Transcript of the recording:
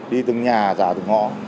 đi từng nhà giả từng ngõ